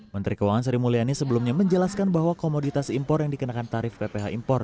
menteri keuangan sri mulyani sebelumnya menjelaskan bahwa komoditas impor yang dikenakan tarif pph impor